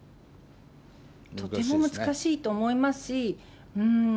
とても難しいと思いますし。